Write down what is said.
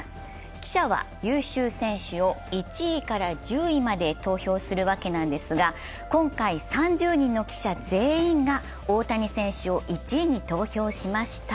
記者は優秀選手を１位から１０まで投票するわけですが、今回３０人の記者全員が大谷選手を１位に投票しました。